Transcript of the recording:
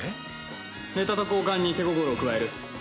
ネタと交換に手心を加える。